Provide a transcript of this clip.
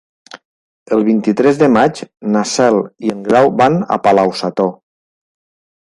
El vint-i-tres de maig na Cel i en Grau van a Palau-sator.